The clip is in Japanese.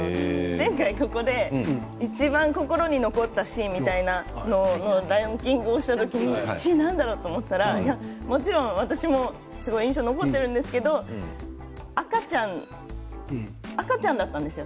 前回ここで、いちばん心に残ったシーンみたいなのランキングをした時に１位は何だろうと思ったらもちろん私も印象に残っているんですけれど赤ちゃんだったんですよ。